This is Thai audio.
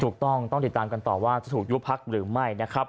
ถูกต้องต้องติดตามกันต่อว่าจะถูกยุบพักหรือไม่นะครับ